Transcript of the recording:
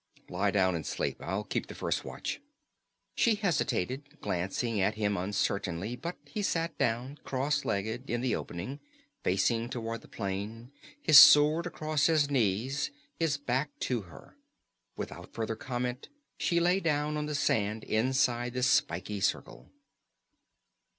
"Lie down and sleep. I'll keep the first watch." She hesitated, glancing at him uncertainly, but he sat down cross legged in the opening, facing toward the plain, his sword across his knees, his back to her. Without further comment she lay down on the sand inside the spiky circle.